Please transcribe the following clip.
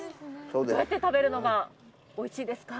どうやって食べるのがおいしいですか。